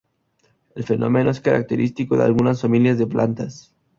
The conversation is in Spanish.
El fenómeno es característico de algunas familias de plantas.